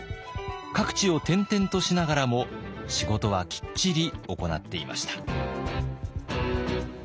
各地を転々としながらも仕事はきっちり行っていました。